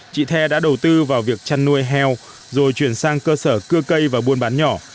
chị the đã đầu tư vào việc chăn nuôi heo rồi chuyển sang cơ sở cưa cây và buôn bán nhỏ